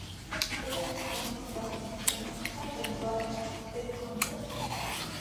Here is sample code to print "hello, world" to the console.